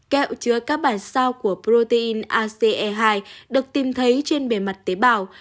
kẹo chứa các bản sao của protein ace hai được tìm thấy trên bề mặt tế bào